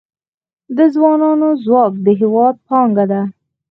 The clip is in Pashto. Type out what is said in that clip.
د ځوانانو ځواک د هیواد پانګه ده